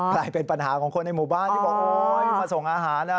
ก็เป็นปัญหาของคนในหมู่บ้านที่บอกมาส่งอาหาร